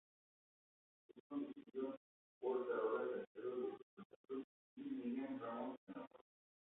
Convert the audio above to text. Es conducido por Carola Castedo desde Santa Cruz y Miriam Ramos en La Paz.